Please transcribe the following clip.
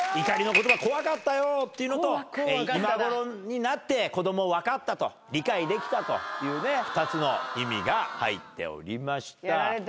怒りの言葉怖かったよっていうのと今頃になって子供わかったと理解できたというね２つの意味が入っておりました。